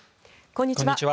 こんにちは。